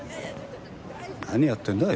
何やってんだ？